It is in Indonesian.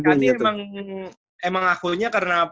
ya di pskd emang akunya karena